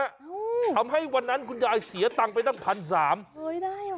โอ้โหทำให้วันนั้นคุณยายเสียตังค์ไปตั้งพันสามโอ้ยได้เหรอ